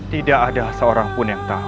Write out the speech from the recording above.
tidak ada seorang pun yang tahu